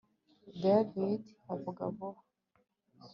David avuga vuba